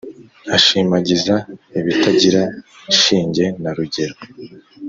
ashimagiza ibitagira shinge narugero